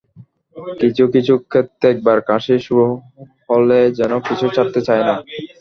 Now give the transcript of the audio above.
কিছু কিছু ক্ষেত্রে একবার কাশি শুরু হলে যেন পিছু ছাড়তেই চায় না।